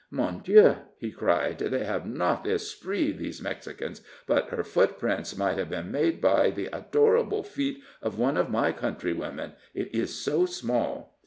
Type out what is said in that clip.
"Mon Dieu!" he cried; "they have not the esprit, those Mexicans; but her footprints might have been made by the adorable feet of one of my countrywomen, it is so small."